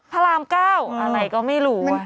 พระรามเก้าอะไรก็ไม่รู้ว่ะ